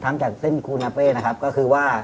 จากเส้นคูนาเป้นะครับก็คือว่า